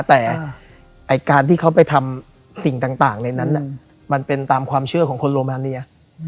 แต่การที่เขาไปทำสิ่งต่างในนั้นมันเป็นตามความเชื่อของคนโรมาเนีย